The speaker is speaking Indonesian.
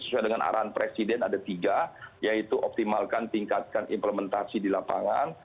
sesuai dengan arahan presiden ada tiga yaitu optimalkan tingkatkan implementasi di lapangan